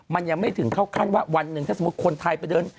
มันยังไม่ถึงเข้าขั้นว่าวันหนึ่งถ้าสมมุติคนไทยไปเดิน